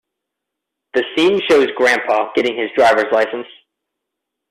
The scene shows Grampa getting his driver's license.